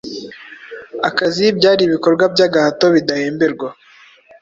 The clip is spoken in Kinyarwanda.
Akazi byari Ibikorwa byagahato bidahemberwa